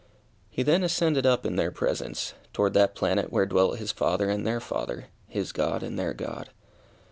He then ascended up in their presence, toward that planet where dwelt his Father and their Father, his God and their God.